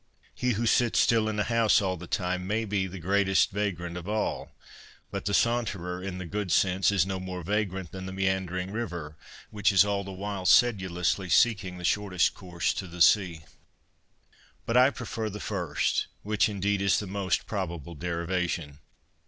He who sits still in a house all the time may be the greatest vagrant of all ; but the saunterer, in the good sense, is no more vagrant than the meandering river, which is all the while sedulously seeking the shortest course to the sea. But I prefer the first, which indeed is the most probable derivation.